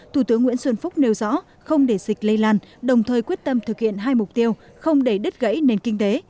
thủ tướng nguyễn xuân phúc nêu rõ không để dịch lây lan đồng thời quyết tâm thực hiện hai mục tiêu không để đứt gãy nền kinh tế